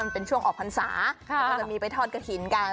เป็นช่วงออกพรรษาแล้วก็จะมีไปทอดกระถิ่นกัน